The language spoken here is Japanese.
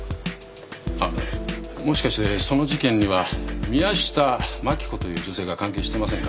あっもしかしてその事件には宮下真紀子という女性が関係してませんかね？